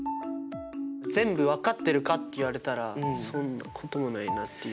全部分かってるかっていわれたらそんなこともないなっていう。